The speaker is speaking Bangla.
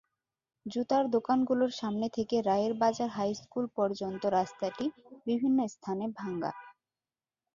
জুতার দোকানগুলোর সামনে থেকে রায়েরবাজার হাইস্কুল পর্যন্ত রাস্তাটি বিভিন্ন স্থানে ভাঙা।